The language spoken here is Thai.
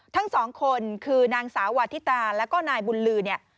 ทั้งสองคนคือนางสาววาทิตาแล้วก็นายบุญลือเนี่ย